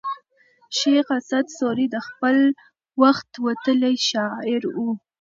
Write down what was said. شېخ اسعد سوري د خپل وخت وتلى شاعر وو.